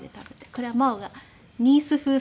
これは真央がニース風サラダを。